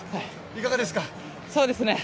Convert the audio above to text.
いかがですか？